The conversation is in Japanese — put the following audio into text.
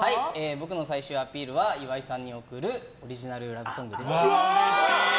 僕の最終アピールは岩井さんに贈るオリジナル・ラブソングです。